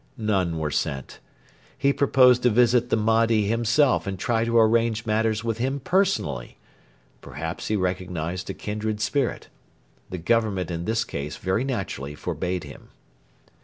None were sent. He proposed to visit the Mahdi himself and try to arrange matters with him personally. Perhaps he recognised a kindred spirit. The Government in this case very naturally forbade him.